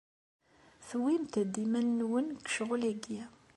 Tewwimt-d iman-nwen deg ccɣel-agi.